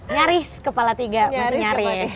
nyaris kepala tiga masih nyari